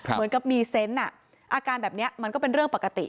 เหมือนกับมีเซนต์อาการแบบนี้มันก็เป็นเรื่องปกติ